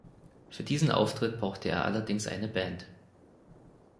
Für diesen Auftritt brauchte er allerdings eine Band.